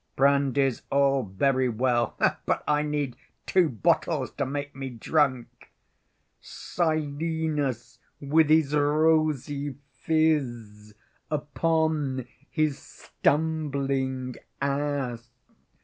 Brandy's all very well, but I need two bottles to make me drunk: Silenus with his rosy phiz Upon his stumbling ass.